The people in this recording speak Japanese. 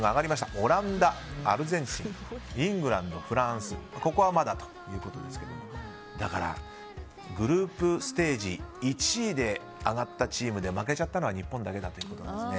オランダ、アルゼンチンイングランド、フランスここはまだということですけどだから、グループステージ１位で上がったチームで負けちゃったのは日本だけなんですね。